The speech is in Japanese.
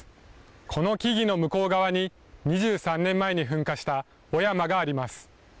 この木々の向こう側に、２３年前に噴火した雄山があります。